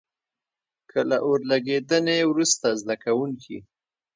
که له اور لګېدنې وروسته زده کوونکي.